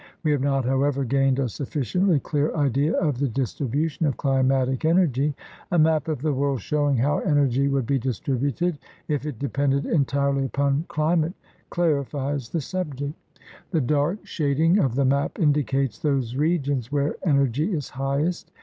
We have not, however, gained a sufficiently clear idea of the distribution of climatic energy. A map of the world showing how energy would be distributed if it depended entirely upon climate clarifies the subject. The dark shading of the map indicates those regions where energy is highest.